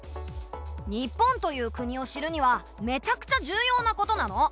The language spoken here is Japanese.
日本という国を知るにはめちゃくちゃ重要なことなの！